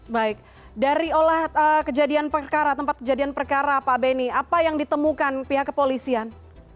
baik dari olah kejadian perkara tempat kejadian perkara pak beni apa yang ditemukan pihak kepolisian